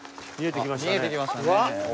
見えてきましたね。